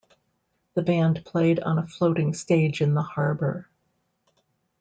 The band played on a floating stage in the harbour.